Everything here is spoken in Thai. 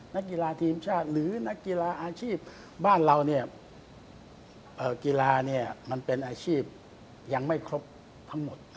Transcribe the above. นักกีฬาทีมชาติหรือนักกีฬาอาชีพบ้านเราเนี่ยกีฬาเนี่ยมันเป็นอาชีพยังไม่ครบทั้งหมด